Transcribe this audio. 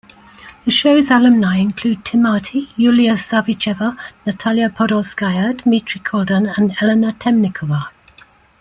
The show's alumni include Timati, Yulia Savicheva, Natalia Podolskaya, Dmitry Koldun, and Elena Temnikova.